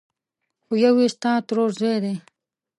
خو يو يې ستا ترورزی دی!